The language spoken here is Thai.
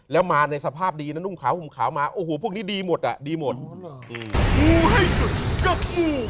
แล้วมาในสภาพดีนะนุ่มขาวหุ่มขาวมาโอ้โหพวกนี้ดีหมดอ่ะดีหมด